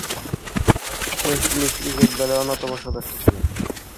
West Indies cricket দলের অন্যতম সদস্য ছিলেন।